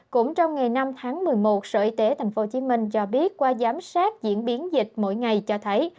cũng trong ngày năm tháng một mươi một sở y tế tp hcm cho biết qua giám sát diễn biến dịch mỗi ngày cho thấy